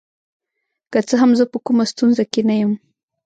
که څه هم زه په کومه ستونزه کې نه یم.